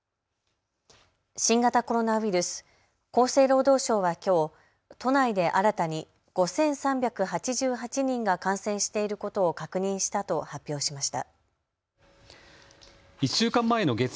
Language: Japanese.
新型コロナウイルス厚生労働省はきょう都内で新たに５３８８人が感染していることを確認したと発表しました。